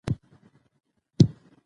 ښه اخلاق د هر انسان شخصیت ډېر ښکلی کوي.